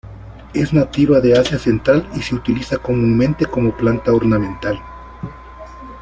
Es nativa de Asia central y se utiliza comúnmente como planta ornamental.